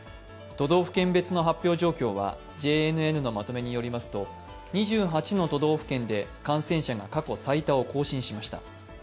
都道府県別の発表状況はＪＮＮのまとめによりますと２８の都道府県で感染者が過去最多を更新しました。